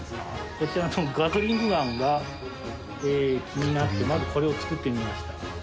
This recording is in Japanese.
こちらのガトリングガンが気になってまずこれを作ってみました。